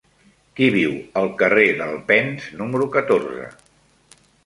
Qui viu al carrer d'Alpens número catorze?